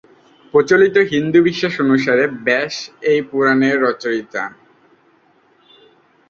প্রচলিত হিন্দু বিশ্বাস অনুসারে, ব্যাস এই পুরাণের রচয়িতা।